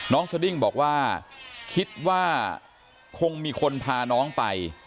สดิ้งบอกว่าคิดว่าคงมีคนพาน้องไป